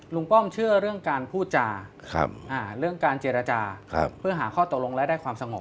ป้อมเชื่อเรื่องการพูดจาเรื่องการเจรจาเพื่อหาข้อตกลงและได้ความสงบ